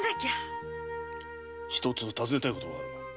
ひとつ尋ねたいことがある。